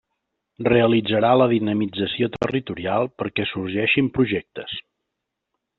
Realitzarà la dinamització territorial perquè sorgeixin projectes.